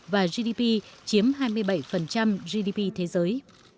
và gdp chiếm hai mươi bảy gdp thế giới